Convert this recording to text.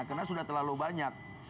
karena sudah terlalu banyak